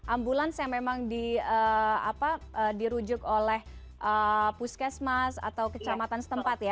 ambulans yang memang dirujuk oleh puskesmas atau kecamatan setempat ya